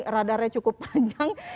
radarnya cukup panjang